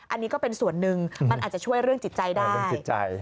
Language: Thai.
อันนี้ก็เป็นส่วนหนึ่งมันอาจจะช่วยเรื่องจิตใจได้เรื่องจิตใจ